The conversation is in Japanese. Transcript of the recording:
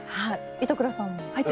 板倉さんも？